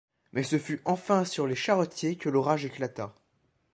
Mais ce fut enfin sur les charretiers que l’orage éclata.